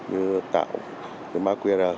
như tạo má quên